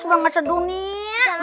udah gak sedunia